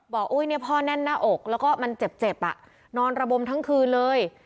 บอกพ่อแน่นหน้าอกแล้วก็มันเจ็บนอนระบมทั้งคืนเลย